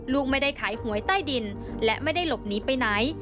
ลูกไม่ได้ขายหวยใต้ดินและไม่ได้หลบหนีไปไหน